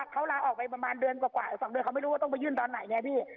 เขาลาออกไปประมาณเดือนกว่า๒เดือนเขาไม่รู้ว่าต้องไปยื่นตอนไหนไงพี่